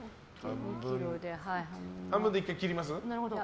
半分で１回切ります？